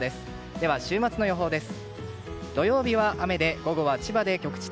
では、週末の予想です。